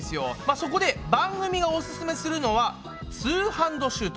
そこで番組がオススメするのは「ツーハンドシュート」。